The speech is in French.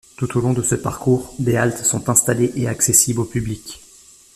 Tout au long de ce parcours, des haltes sont installées et accessibles au public.